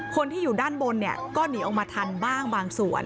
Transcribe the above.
คนที่อยู่ด้านบนเนี่ยก็หนีออกมาทันบ้างบางส่วน